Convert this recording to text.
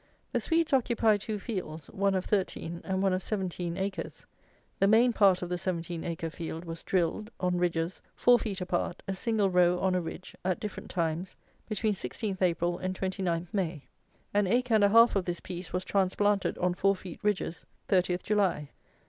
The Swedes occupy two fields: one of thirteen, and one of seventeen acres. The main part of the seventeen acre field was drilled, on ridges, four feet apart, a single row on a ridge, at different times, between 16th April and 29th May. An acre and a half of this piece was transplanted on four feet ridges 30th July.